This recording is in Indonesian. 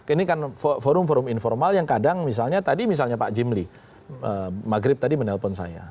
ini kan forum forum informal yang kadang misalnya tadi misalnya pak jimli maghrib tadi menelpon saya